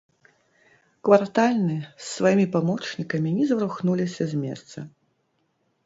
Квартальны з сваімі памочнікамі не зварухнуліся з месца.